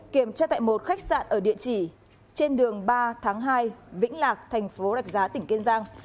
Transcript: kiểm tra tại một khách sạn ở địa chỉ trên đường ba tháng hai vĩnh lạc thành phố rạch giá tỉnh kiên giang